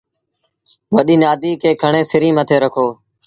وڏيٚ نآديٚ کي کڻي سريٚݩ مٿي رکو۔